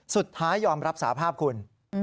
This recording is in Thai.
สุดท้ายยอมรับสาภาพคุณ